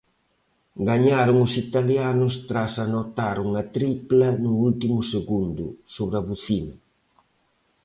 Gañaron os italianos tras anotar unha tripla no último segundo, sobre a bucina.